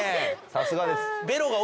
さすがです。